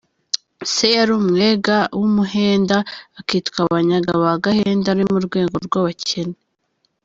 Se yari umwega w'umuhenda, akitwa Banyaga ba Gahenda, ari mu rwego rw'abakene.